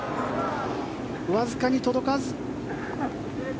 わずかに届かず。